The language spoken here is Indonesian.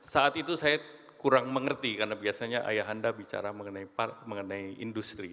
saat itu saya kurang mengerti karena biasanya ayah anda bicara mengenai industri